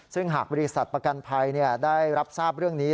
ซึ่งหากบริษัทประกันภัยได้รับทราบเรื่องนี้